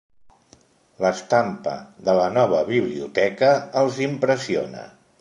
L'estampa de la nova biblioteca els impressiona.